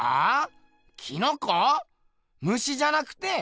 虫じゃなくて？